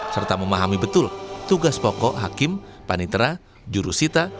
serta memahami betul tugas pokok hakim panitera jurusita